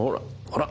ほら！